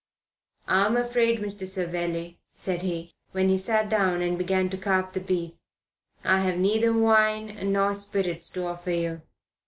"I am afraid, Mr. Savelli," said he, when he sat down and began to carve the beef, "I have neither wine nor spirits to offer you.